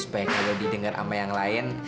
baik kalau didengar sama yang lain